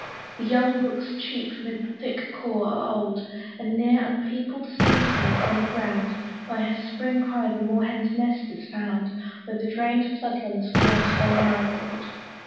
The young rooks cheep 'mid the thick caw o' the old: And near unpeopled stream sides, on the ground, By her Spring cry the moorhen's nest is found, Where the drained flood lands flaunt their marigold.